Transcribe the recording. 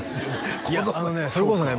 いやあのねそれこそね